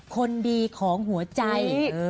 คนดีของหัวใจ